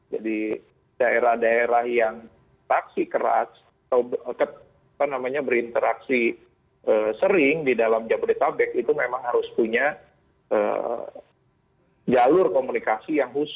jadi daerah daerah yang taksi keras atau berinteraksi sering di dalam jabodetabek itu memang harus punya jalur komunikasi yang khusus